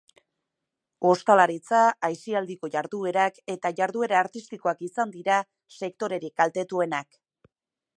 Ostalaritza, aisialdiko jarduerak eta jarduera artistikoak izan dira sektorerik kaltetuenak.